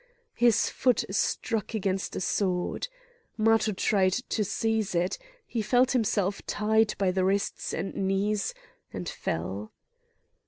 His foot struck against a sword. Matho tried to seize it. He felt himself tied by the wrists and knees, and fell.